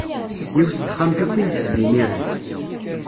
Yiwet n texxamt akk i nekseb imiren.